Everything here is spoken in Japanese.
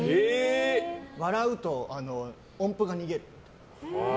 笑うと音符が逃げるって。